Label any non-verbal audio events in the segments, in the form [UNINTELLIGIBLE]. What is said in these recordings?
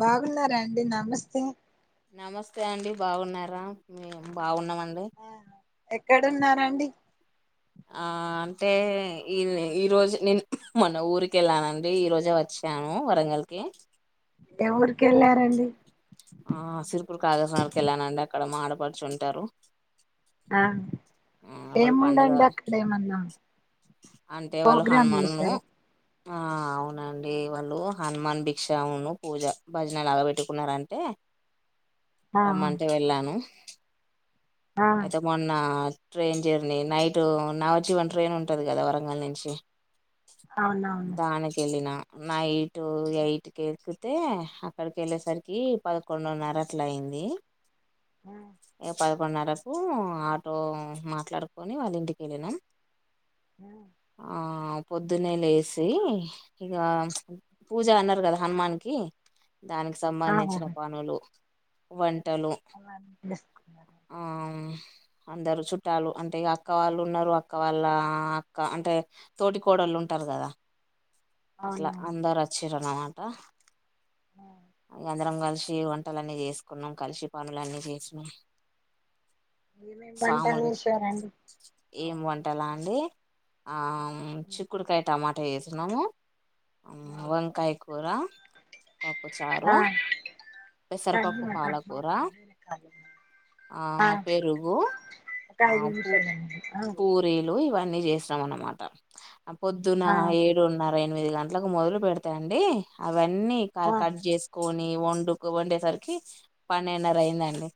బాగున్నారా అండి నమస్తే నమస్తే అండి బాగున్నారా మేము బాగున్నామండి ఎక్కడున్నారు అండి ఆ అంటే ఈ ఈ రోజు నేను మొన్న ఊరికి వెళ్ళానండి ఈ రోజే వచ్చినా వచ్చాను వరంగల్ కి ఏ ఊరికి వెళ్ళారండి ఆ సిరుపూర్ కాగజ్ నగర్కి వెళ్ళానండి, అక్కడ మా ఆడపడుచు ఉంటారు ఆ ఆ వాళ్ళ పండగ ఏముందండి అక్కడ ఏమన్నా అంటే వాళ్ళు ప్రోగ్రామ్ హనుమాన్ ను చేశారు ఆ అవునండి వాళ్ళు హనుమాన్ భిక్షాను పూజ భజనాలు ఎలాగ పెట్టుకున్నారంటే, [UNINTELLIGIBLE] ఆ రమ్మంటే వెళ్ళాను ఆ అయితే మొన్న train journey night Navajivan train ఉంటది కదా వరంగల్ నుంచి అవునవును దాని కెళ్ళిన నైట్ ఎయిట్కి ఎక్కితే, అక్కడికి వెళ్ళేసరికి పదకొండున్నర అట్లా అయింది. ది ఉమ్ నర్రకు ఆటో మాట్లాడుకొని వాళ్ళ ఇంటికెళ్ళినాం ఉమ్ పొద్దున్నే లేసి ఇక ప్చ్ పూజ అన్నారు కదా హనుమాన్ కి దానికి ఆహా సంబంధించిన పనులు వం వంటలు అవన్నీ చేసుకున్నారు ఉమ్ అందరు చుట్ట చుట్టాలు అంటే ఇ అక్క వాళ్ళు ఉన్నారు, అక్క వాళ్ళ అక్క అంటే తోటి కోడళ్ళు ఉంటారు, కదా అట్లా అవునవును అందరు వచ్చిర్రు అనమాట అ అందరం కలిసి కలిసి వంటలన్నీ చేసుకున్నాం కలిసి పనులన్నీ చేసినం ఏమేమి వంటలు చేసారండి ఏమి వంటలా అండి ఆ చిక్కుడుకాయ టమాటా చేసినాము ఉమ్ వంకాయ కూర పప్పు ఆ చారు రండి పెసరపప్పు నాతోటి పాలకూర మాట్లాడు వేరే కాల్ ఉంది ఆ పెరుగు ఒక ఆ ఐదు పూ నిమిషాలండి ఆ పూరీలు లు ఇవన్నీ చేసినం అనమాట పొద్దున ఆ ఏడున్న ఎనిమిది గంటలకు మొదలు పెడతాండి అవన్నీ క ఆ కట్ చేసుకు కొని వండుకు వండేసరికి పన్నెన్నర అయిందండి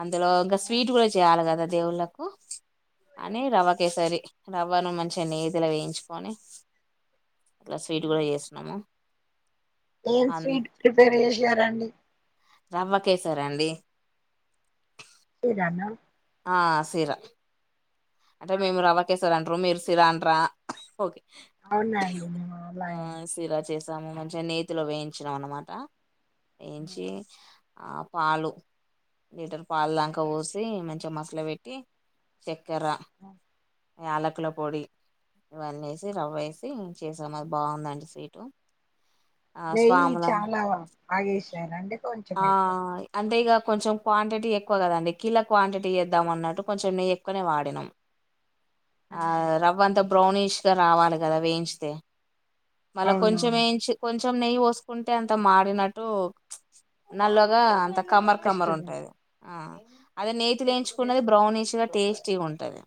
అందులో ఒకా ఆ స్వీట్ కూడ చేయాలి కదా దేవుళ్ళలకు అని రవ్వ కేసరి రవ్వను మంచిగా నేదల వేయించుకొని అట్ల స్వీట్ కూడ చేస్తున్నాము ఏం స్వీట్ ప్రిపేర్ చేసారంండి రవ్వకేశరీ అండి ఇడ్లీ రవ్వా ఆ సీరా అంటే ఆ మేము రవ్వకేేశర్ అంట్రు మీరు సిరా అంట్రా ఓకే అవునండి అలాగే ము మంచిగా నేతిలో వేయించినాం అనమాట వేయించి ఆ పాలు లీటర్ పాలు దాంక పోసి మంచిగా మసలు పెట్టి చక్కెర ఆ యాలకుల పోొడి ఇవన్నీ వేసి రవ్వ వేసి చేసాం అది బాగుందండి స్వీటు ఆ నెయ్యి స్వాముల చాలా బాగేసారు అంటే కొంచెం ఆ వేసారు అంతే ఇగ కొంచెం క్వాంటిటీ ఎక్కువ కదండి కిల క్వాంటిటీ వేద్దాం అన్నట్టు కొంచెం మే ఎక్కువనే వాడినాం ఆ రవ్వ అంతా బ్రౌనిష్ గా రావాలి కదా వేయించితే మళ్ళ కొంచెం అవునవును వేయించి కొంచ్ కొంచం నెయ్యి పోసుకుంటే అంత మాడినట్టు నల్లగా అంత కమ్మర్ టేస్ట్ కమ్మర్ ఉంటది ఆ అదే నేతి ఎక్కువ లేేయించుకున్నది బ్రౌనిష్ గా టేస్టీగ ఉంటది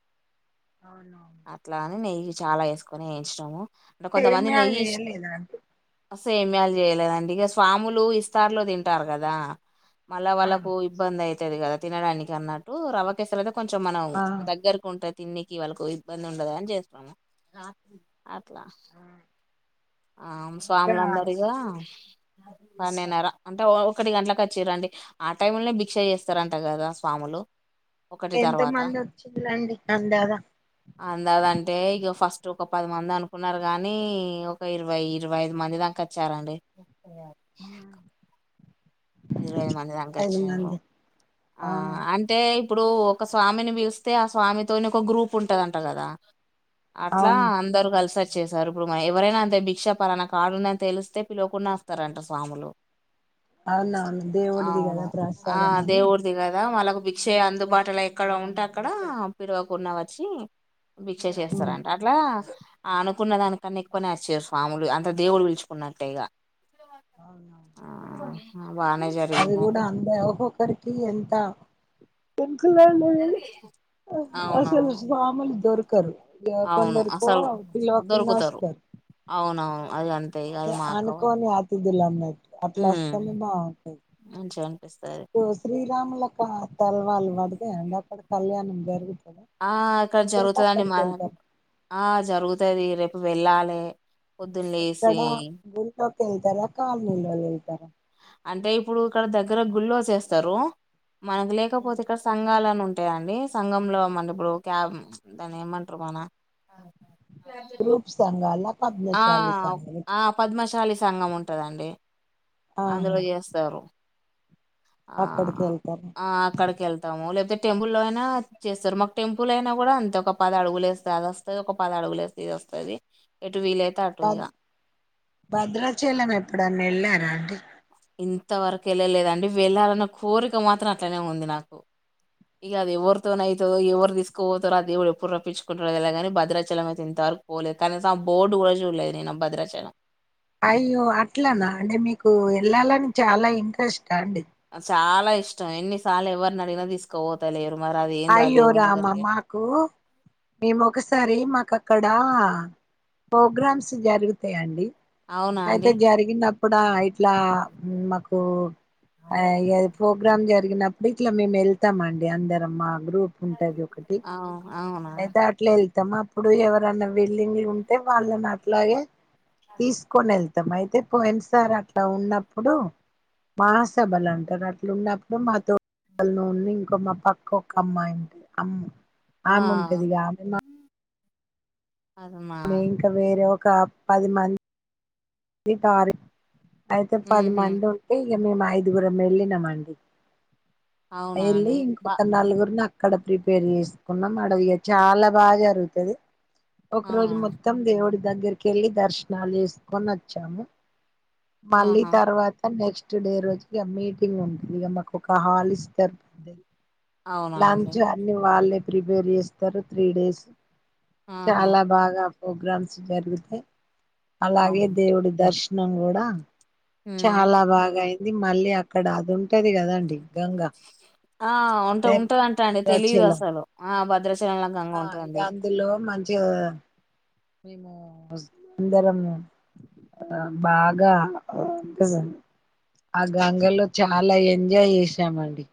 అవునవును అట్లా అని నెయ్యి చాలా వేసుకొని వేయించడంము అంటే కొంతమంది సేమ్యాలు నెయ్యి ఇష్ చేయలేదా అండి అ సేమియాల్ చేయలేదండి ఇక స్వాములు ఇస్తార్లో తింటారు కదా మళ్ళ ఆ వాళ్ళకు ఇబ్బంది అయితది కదా తినడానికి అన్నట్టు రవ్వకేసరి అయితే కొంచెం మనం ఆ! దగ్గర ఉంట తిన్నికి వాళ్ళకు ఇబ్బంది ఉండదా అని చేస్తున్నాము అట్లా ఆ! ఆ ఇంకా స్వాములందరిగా పన్నెన్నర ఒకటి గంటలకు వచ్చిరండి ఆ టైమ్నే భిక్ష చేస్తారంట కదా స్వాములు ఎంత మంది వచ్చింది అందదంటే ఇక ఫస్ట్ ఒక పది మంది అనుకున్నార్ గానీ ఒక ఇరవై ఇరవై ఐదు మంది దాక వచ్చారండి ఆవున ఇరవై ఐదు మంది దాంక వచ్చిండుఆ మంది ఆ అంటే అంచెఇప్పుడు ఒక స్వామిని పిలిస్తే ఆ స్వామితోని ఒక గ్రూప్ ఉంటదంట కదా అట్లా అవును అందరు కలిసొచ్ చేసారు ఇప్పుడు మ ఎవరైనా అంతే భిక్ష ప లాన కాడుందని తెలిస్తే పిలువకుండా వస్తారంట స్వాములు అవునవును దేవుడిది కదా అవును ఆ ప్రసాదం అని దేవుని కదా వాళ్ళకు బిచ్చే అందుబాటులో ఎక్కడ ఉంటే అక్కడ పిడవకున్న వచ్చి భిక్ష హ్మ్. చేస్తారంట అట్లా ఆనుకున్న దానికన్నా ఎక్కువనచ్చారు స్వాములు అంత దేవుడు పిలుచుకున్నట్టేగా అవునువున్ ఆ బానే అది కూడ జరిగిందండి అంతే ఒక్కొక్కరికి ఎంత లేద్ లేదండి అసలు అవునవును స్వాములు దొరకరు ఇ అవును కొందరికో అసలు పిలవకుండా దొరుకుతారు వస్తారు అవునవును అది అంతే ఇగ అదే అది మా అక్క వాళ్ళు అనుకోని అతిథులు అన్నట్టు అట్ల హ్మ్ వస్తానే బాగుంటంది మంచిగా అనిపిస్తది కు శ్రీరాములలకు తలవాలు వాడి తె అక్కడ కళ్యాణం జరుగుతుంది ఆ ఇక్కడ జరుగుతుదండి మా ఆ జరుగుతుది రేపు వెళ్ళాలి ఎక్కడ గుల్లోకి వెళ్తార కాలనీలోకి వెళ్తార అంటే ఇప్పుడు ఇక్కడ దగ్గర గుళ్ళు చేస్తారు. మనకు లేకపోతే ఇక్కడ సంఘాలని ఉంటయి. ఉంటే అండి సంఘంలో మనం ఇప్పుడు క్యాబ్ దాని ఏమంటారు మన గ్రూప్ సంఘలా ఆ ఆ పది మం పద్మశాలి సంఘం ఉంటదండి ఆహా అందులో చేస్తారు. ఆ అక్కడికి వెళ్తారు ఆ అక్కడికి వెళ్తాము లేకపోతే టెంపుల్ లో అయినా చేస్తారు, మాకు టెంపుల్ అయినా కూడా అంతే ఒక పది అడుగులేస్తే అది వస్తాది, ఒక పది అడుగులేస్తే ఇది వస్త వస్తాది. భద్ భద్రాచలం ఎప్పుడన్న వెళ్ళారా అండి ఇంతవరకు వెళ్ళలేదండి వెళ్ళాలన్న కోరిక మాత్రం అట్లనే ఉంది నాకు ఇక అది ఎవరితోో అయితదో ఎవరు తీసుకపోతారో ఆ దేవుడు ఎప్పుడు రప్పించుకుంటారో లేలవదు కానీ భద్రాచలం అయితే వెళ్తా, పోలేదు కానీ ఆ బోర్డు కూడా చూడలేదు నేను భద్రాచలం అయ్యో అట్లనా అంటే మీకు వెళ్ళాలని చాలా ఇంట్రెస్ట్టా అండి, చాలా ఇష్టం ఎన్నిసార్లు ఎవరిని అడిగినా తీసుకో పోతలేరు, అయ్యో రామ మాకు మేము ఒకసారి మాకు ఇక్కడ ప్రోగ్రామ్స్ జరుగుతాయిండి అవునా అయితే అండి జరిగిన అప్పుడ ఇట్లా మాకు అ ఇ ప్రోగ్రామ్ జరిగినపు ఇట్లా మేము వెళ్తామ అండి అందరం మా గ్రూప్ ఉంటది ఒకటి అవు అవునా అయితే అట్లా వె మం అప్పుడు ఎవరైన్నా వేలేది ఉంటే వాళ్ళని అట్లాగే తీసుకొని వెళ్తా మొత్తం అయితే పోయిన సారి అట్లా ఉన్నప్పుడు, మాహాసభలు అంటారు అట్లున్నప్పుడు మా తోటి ఉడి ఇంకో మా పక్క ఇంకోక్క అమ్మాయింటది అము ఆము ఆ ఉంటది ఆమె అదమా ఆమె ఇంకా వేరే ఒక పది మంది అది టార్ అయితే పది ఉహు మంది ఉండి, ఇగా మేము ఐదుగురం వెళ్ళినం అండి అవునా వెళ్ళలి అండి బా ఇంకొక నలుగురు నాకు అక్కడ ప్రిపేర్ చేసుకున్నాం అడ ఇగా చాలా బాగా జరుగుతది. ఒక అవునా రోజు మొత్తం దేవుడి దగ్గరికి వెళ్ళి దర్శనాలు చేసుకొని వచ్చాము. మళ్ళీ ఆహా తర్వాత నెక్స్ట్ డే రోజు ఇగా మీటింగ్ ఉంటది ఇక మాకు ఒక హాల వే అవునా అండి లంచ్ అన్ని వాళ్ళే ప్రిపేర్ చేస్తారు త్రీ డేస్ ఆహా చాలా బాగా ప్రోగ్రామ్స్ జరుగుతాయి, అలాగే అవును దేవుడి దర్శనం కూడా ఉమ్ చాలా బాగా అయింది మళ్ళీ అక్కడ అది ఉంటది కదండి గంగ ఆ ఉంట ఉంటదంటే తెలీదు భద్రాచలం అసలు ఆ భద్రాచలంల గంగ ఆ ఇగా ఉంటదండి అందులో మంచి గా మేము అందరము ఆ బాగా ఆ గంగలో చాలా ఎంజాయ్ చేసామండి.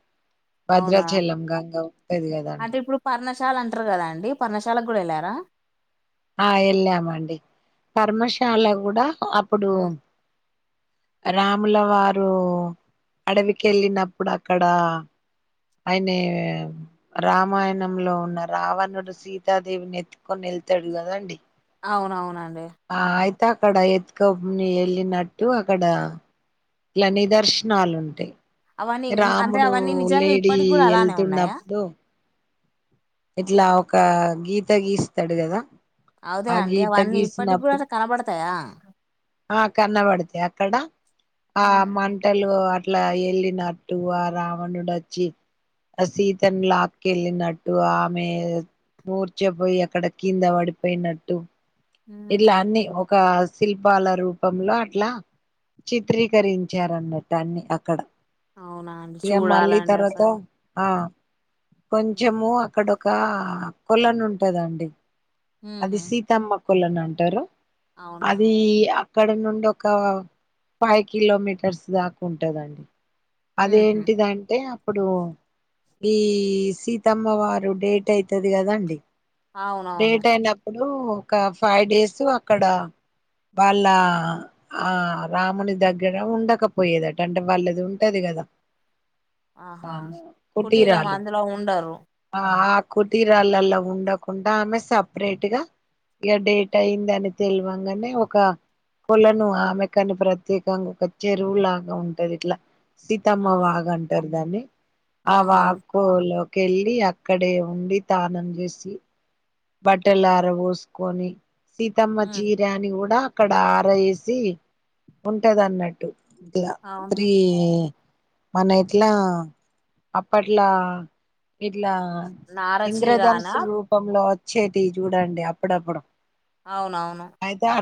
అవునా భద్రాచలం గంగ ఉంటది కదండి, పర్శాల అంటారు కదా అండి పర్మశాల కూడా వెళ్ళారా, ఆ వెళ్ళామండి పర్మశాల కూడా అప్పుడు ఉమ్. రాముల వారు అడవికి వెళ్ళినప్పుడు అక్కడ ఆయన రామాయణంలో ఉన్న రావణుడు సీతాదేవిని ఎత్తుకొని వెళ్తాడు కదా అండి అవునవునండి ఆ అయితే అక్కడ ఎత్తుకోని వెళ్ళినట్టు అక్కడ ఇలా నిదర్శనాలు ఉంటాయి, అవన్నీ ఇం- అంటే రాముడు అవన్నీ నిజంగా లేడీ ఇప్పటికి కూడా అలానే ఉన్నాయా ఏళ్తున్నప్పుడు. ఇట్లా ఒక గీత గీస్తాడు కదా. అదే ఆ అండి గీత అవన్నీ ఇప్పటికి కూడా అలా కనబడతాయా. ఆహ్ కనబడతాయి అక్కడ ఆ ఉహు మంటలు అడ్. అట్లా ఎళ్ళిన్నాటు ఆ రావణుడు వచ్చి. అ సీతను లాక్కెలిన్నటు ఆమె. మూర్చపోయి అక్కడ కింద పడిపోయినట్టు ఉమ్ ఇట్లా అన్ని ఒక్. ఒక శిల్పాల రూపంలో అట్లా. చిత్రీకరించారన్ని దాన్ని అక్కడ. అవునా అండి ఇక మళ్ళీ చూడాలండి తర్వాత అసలు ఆహ్. ఉమ్. కొంచెము అక్కడొక కొలను ఉంటాదండి. అది ఉహు సీతామ్మకోలను అంటారు అవునా అది. అక్కడి నుండి ఒక ఫైవ్ కిలోమీటర్స్ దాకా ఉంటదండి. ఉహు అదేంటిదంటే. ఇప్పుడు ఈ సీతమ్మ వారు డేట్ అయితది కదాండి. అవునవును. ఒక ఫైవ్ డేస్ అక్కడ. వాళ్ళ ఆ రాముని దగ్గర ఉండకపోయేదట అంటే వాళ్ళది ఉంటది కదా. ఆహా కుటీరం కుటీరాలు అందులో ఉండరు ఆహ్. కుటీరాళ్ళలో ఉండకుండా ఆమె సపరేట్ గా. ఇగ డేట్ అయిందాని తెలువంగానే ఒక. కొలను ఆమెకాని ప్రత్యేకంగా ఒక చెరువులాగా ఉంటది ఇట్లా. సీతమ్మ అవును వాగ్ అంటారు దాన్ని ఆ ఆహా వాగు లో. కెళ్ళి అక్కడే ఉండి తానం చేసి. బట్టలర పోసుకొని సీతమ్మ ఉమ్ చీర అని కూడా. అక్కడ ఆరేసి ఉంటది అన్నట్టు ఇగ అవును త్రీ. మనవేట్లా అప్పట్లా. ఇట్లా నార చీరానా ఇంద్రధనుస్సుల రూపంలో వచ్చేది చూడండి అప్పుడప్పుడు. అవునవును.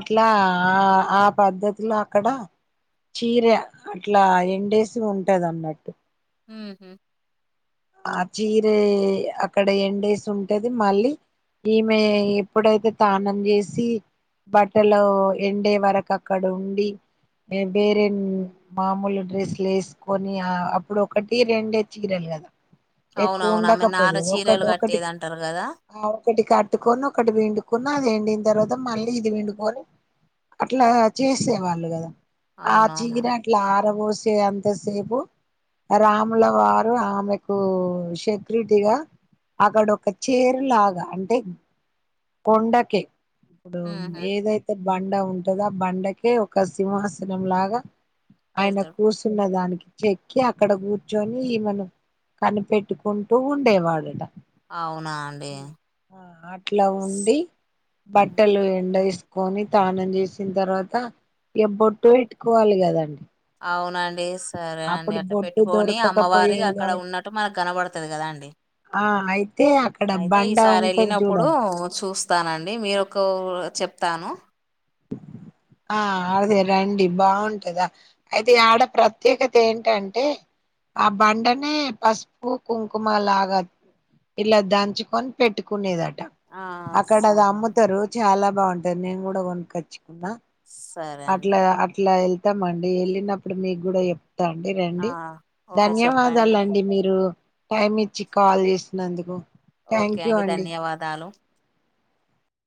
ఇట్లా ఆహ్ ఆ పద్ధతిలో అక్కడ. చీర అట్లా ఎండేసి ఉంటది అన్నట్టు. ఉమ్మ్. ఆ చీర అక్కడ ఎండేసి ఉంటది మళ్ళీ. ఈమె ఎప్పుడైతే తానం చేసి. బట్టలో ఎండే వరకు అక్కడ ఉండి. వేరే మామూలు డ్రెస్సులు వేసుకొని అప్పుడు ఒకటి రెండే చీరలు. ఎక్కువ అవునవును ఉండక ఆమె నార పోయేది ఒకట్ చీరలు ఒకటి. కట్టేది అంటారు కదా ఒకటి కట్టుకొని ఒకటి పిండుకున్న అది ఎండిన తర్వాత మళ్ళీ ఇది పిండుకొని. అట్లా చేసే వాళ్ళు కదా ఆ అవునవును చీర అట్లా ఆరవోసి. చే అంత సేపు. రాముల వారు ఆమెకు సెక్యూరిటీ గా. అక్కడోక చీర లాగా. అంటే కొండకే ఇప్పుడు ఉహు ఏదైతే. బండ ఉంటది ఆ బండకే ఒక సింహాసనం లాగా. ఆయన పెడతాడు కూర్చున్న దానికి. చెక్కి అక్కడ కూర్చొని ఈమెను కనిపెట్టుకుంటూ ఉండేవాడటా. అవునా అండి. ఇట్లా స్- ఉండి ఉమ్. బట్టలు ఎండ ఏసుకొని తానం చేసిన తర్వాత. ఇగ బొట్టు అ- పెట్టుకోవాలి కాదండి. రేస్ సరే అండి అట్లా పెట్టుకొని అమ్మవారి దొరకకపోయేది అక్కడ కాబట్టి ఉన్నట్టు మనకు కనపడుతది కదా అండి. ఆ అయితే అక్కడ అయితే బండ ఈసారి ఉంటది వెళ్ళినప్పుడు చూడండి చూస్ స్తానండి మీరు కూడా చెప్తాను ఆ ఆదే రండి బాగుంటది అయితే ఈ ఆడ ప్రత్యేకత ఏంటంటే ఆ బండనే పసుపు కుంకుమ లాగా ఇలా దంచుకొని పెట్టుకునేద ఆ అక్కడ అది సరే అమ్ముతారు చాలా బాగుంటది నేను కూడా కొనుకచ్చు న్న సరే అండి అట్లా అట్లా ఎళ్తామండి వెళ్ళినప్పుడు మీకు కూడా చెప్ రండి ఆ రండి ఓకే ధన్యవాదాలు చెప్పండి అండి మీరు టైమ్ ఇచ్చి కాల్ చేసినందుకు ఓకే థ్యాంక్ యూ అండి ధన్యవాదాలు